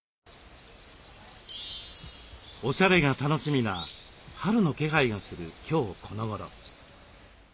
おしゃれが楽しみな春の気配がする今日このごろ。